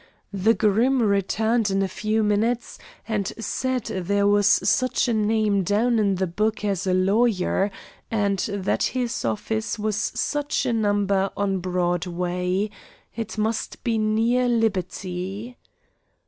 The groom returned in a few minutes and said there was such a name down in the book as a lawyer, and that his office was such a number on Broadway; it must be near Liberty.